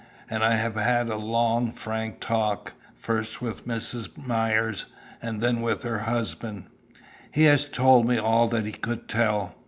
"And I have had a long, frank talk, first with Mrs. Myers, and then with her husband. He has told me all that he could tell.